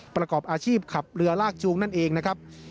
ประกอบอาชีพขับเรือลากจูงนั่นเองนะครับ